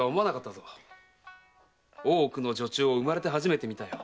大奥の女中を生まれて初めて見た。